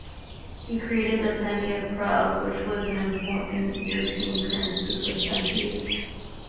He created the penny of Prague, which was an important European currency for centuries.